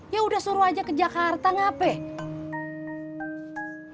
ya udah suruh aja ke jakarta ngapain